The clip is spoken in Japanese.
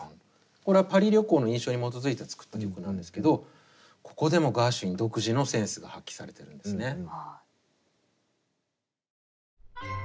これはパリ旅行の印象に基づいて作った曲なんですけどここでもガーシュウィン独自のセンスが発揮されてるんですね。